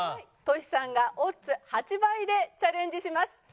トシさんがオッズ８倍でチャレンジします。